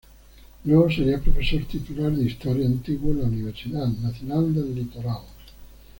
Luego sería Profesor Titular de Historia antigua en la Universidad Nacional del Litoral.